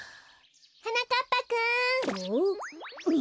はなかっぱくん。